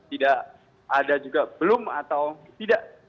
tidak ada juga belum atau tidak